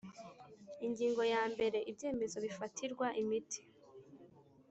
Ingingo yambere Ibyemezo bifatirwa imiti